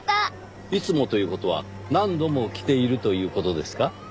いつもという事は何度も来ているという事ですか？